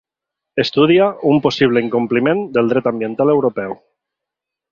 Estudia un possible incompliment del dret ambiental europeu.